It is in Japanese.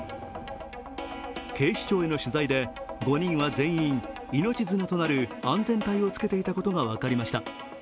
警視庁への取材で、５人は全員、命綱となる安全帯をつけていたことが分かりました。